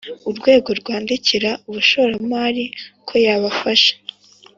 Urwego rwandikira umushoramari koyabafasha.